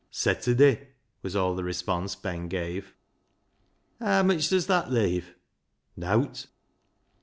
Setterday," was all the response Ben gave. " Haa mitch does that leave ?"" Nowt."